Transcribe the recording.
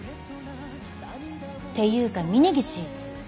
っていうか峰岸。